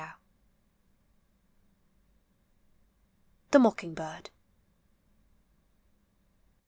Md THE MOCKING BIRD.